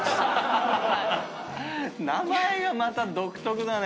名前がまた独特だね。